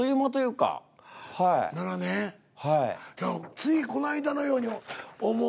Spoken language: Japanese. ついこないだのように思う。